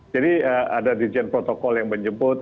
jadi ada dirjen protokol yang menjemput